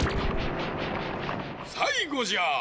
さいごじゃ！